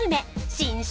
新春